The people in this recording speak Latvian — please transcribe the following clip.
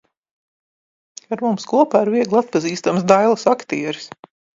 Ar mums kopā ir viegli atpazīstams Dailes aktieris.